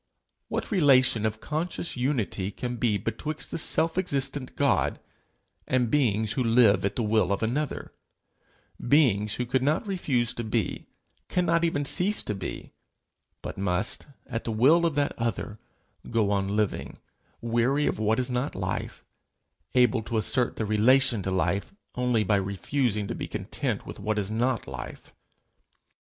What relation of conscious unity can be betwixt the self existent God, and beings who live at the will of another, beings who could not refuse to be cannot even cease to be, but must, at the will of that other, go on living, weary of what is not life, able to assert their relation to life only by refusing to be content with what is not life?